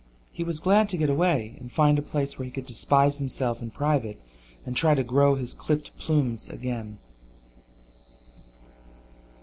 He was glad to get away and find a place where he could despise himself in private and try to grow his clipped plumes again.